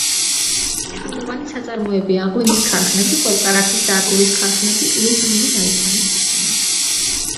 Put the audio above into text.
მნიშვნელოვანი საწარმოებია: ღვინის ქარხნები, ყველ-კარაქის და აგურის ქარხნები, ლითონური დარიშხანის ქარხანა.